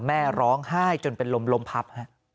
แม่ร้องไห้จนเป็นลมพับ